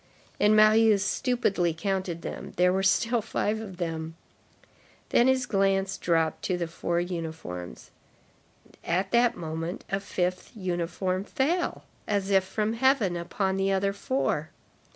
And Marius stupidly counted them; there were still five of them! Then his glance dropped to the four uniforms. At that moment, a fifth uniform fell, as if from heaven, upon the other four.